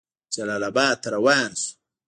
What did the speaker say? جلال آباد ته روان شو.